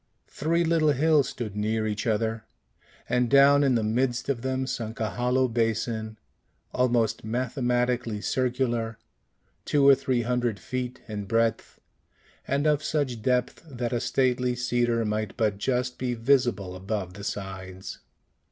Three little hills stood near each other, and down in the midst of them sunk a hollow basin, almost mathematically circular, two or three hundred feet in breadth, and of such depth that a stately cedar might but just be visible above the sides.